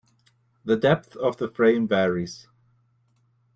The depth of the frame varies.